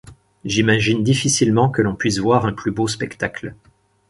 J’imagine difficilement que l’on puisse voir un plus beau spectacle !